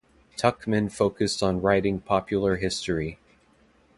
Tuchman focused on writing popular history.